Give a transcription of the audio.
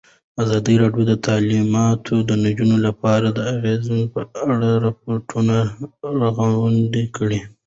ازادي راډیو د تعلیمات د نجونو لپاره د اغېزو په اړه ریپوټونه راغونډ کړي.